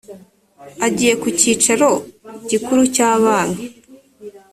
agiye ku cyicaro gikuru cya banki